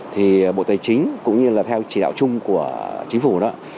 thì bộ tài chính cũng như là theo chỉ đạo chung của chính phủ đó